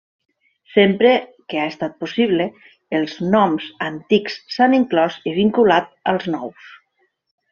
Sempre que ha estat possible, els noms antics s'han inclòs i vinculat als nous.